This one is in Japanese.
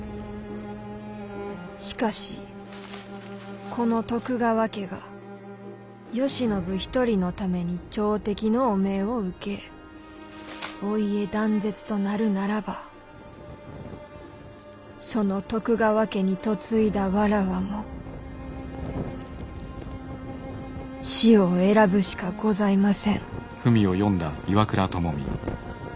しかしこの徳川家が慶喜一人のために朝敵の汚名を受けお家断絶となるならばその徳川家に嫁いだ妾も死を選ぶしかございません」。